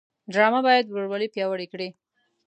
ډرامه باید ورورولي پیاوړې کړي